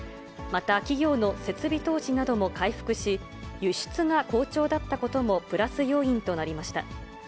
また企業の設備投資なども回復し、輸出が好調だったことも、プラス要因となりました。